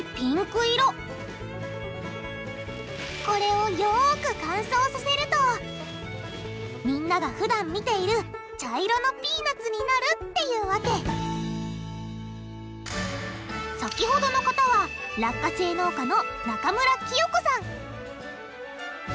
これをよく乾燥させるとみんながふだん見ている茶色のピーナツになるっていうわけ先ほどの方は落花生農家の中村喜代子さん